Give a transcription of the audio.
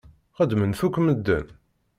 Xedmen-t akk medden.